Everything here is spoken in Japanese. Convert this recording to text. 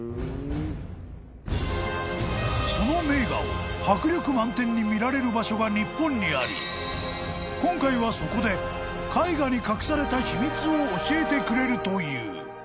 ［その名画を迫力満点に見られる場所が日本にあり今回はそこで絵画に隠された秘密を教えてくれるという］